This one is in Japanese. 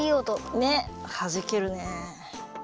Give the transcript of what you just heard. ねっはじけるね。